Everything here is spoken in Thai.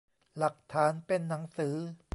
หลักฐานเป็นหนังสือ